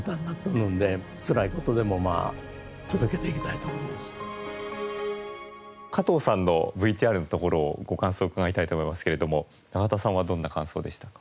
やっぱり短歌しよったら加藤さんのＶＴＲのところご感想伺いたいと思いますけれども永田さんはどんな感想でしたか？